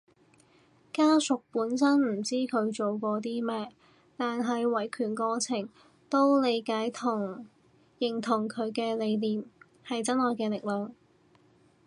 家屬本身唔知佢做過啲咩，但喺維權過程都理解到同認同佢嘅理念，係真愛嘅力量